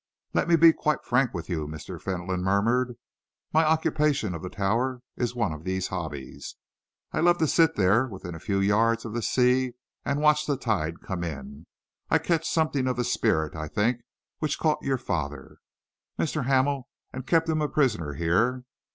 "Let me be quite frank with you," Mr. Fentolin murmured. "My occupation of the Tower is one of these hobbies. I love to sit there within a few yards of the sea and watch the tide come in. I catch something of the spirit, I think, which caught your father, Mr. Hamel, and kept him a prisoner here.